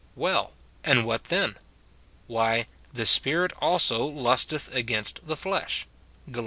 Well! and what then? Why, "the spirit also lusteth against the flesh," Gal.